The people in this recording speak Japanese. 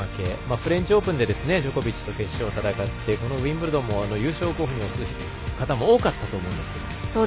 フレンチオープンでジョコビッチと戦ってこのウィンブルドンも優勝候補に推す方も多かったと思うんですが。